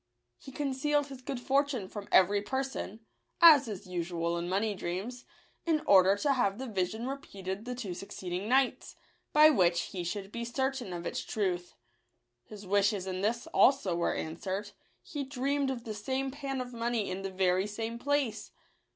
He concealed his good fortune from every person, as is usual in money dreams, in order to have the vision repeated the two suc ceeding nights, by which he should be certain of its truth. His wishes in this also were answered ; he dreamed of the same pan of money in the very same place.